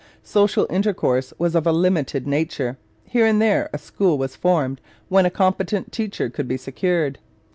Social intercourse was of a limited nature. Here and there a school was formed when a competent teacher could be secured.